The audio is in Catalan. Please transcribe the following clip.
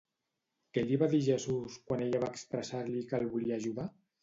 Què li va dir Jesús quan ella va expressar-li que el volia ajudar?